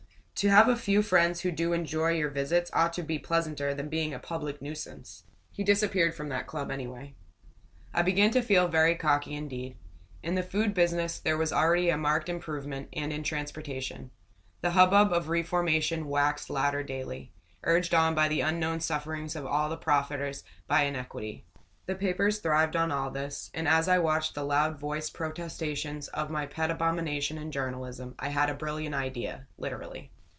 "To have a few friends who do enjoy your visits ought to be pleasanter than being a public nuisance." He disappeared from that club, anyway. I began to feel very cocky indeed. In the food business there was already a marked improvement; and in transportation. The hubbub of reformation waxed louder daily, urged on by the unknown sufferings of all the profiters by iniquity. The papers thrived on all this; and as I watched the loud voiced protestations of my pet abomination in journalism, I had a brilliant idea, literally.